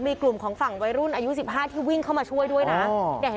มีกลุ่มของฝั่งวัยรุ่นอายุ๑๕ที่วิ่งเข้ามาช่วยด้วยนะ